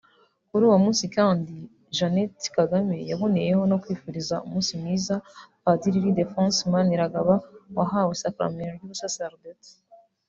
Kuri uwo munsi kandi Jeannette Kagame yaboneyeho no kwifuriza umunsi mwiza Padiri Ildephonse Maniragaba wahawe isakaramentu ry’ubusaserdoti